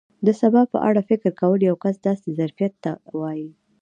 د سبا په اړه فکر کول یو کس داسې ظرفیت ته وایي.